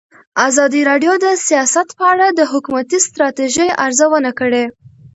ازادي راډیو د سیاست په اړه د حکومتي ستراتیژۍ ارزونه کړې.